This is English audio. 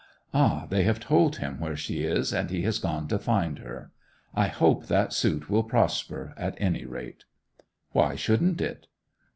Ah! they have told him where she is, and he has gone to find her ... I hope that suit will prosper, at any rate!' 'Why shouldn't it?